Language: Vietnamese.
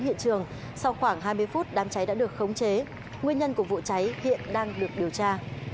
hiện trường sau khoảng hai mươi phút đám cháy đã được khống chế nguyên nhân của vụ cháy hiện đang được điều tra